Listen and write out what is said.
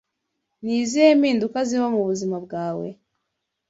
Ni izihe mpinduka ziba mu buzima bwe?